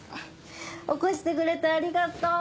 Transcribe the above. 起こしてくれてありがとう！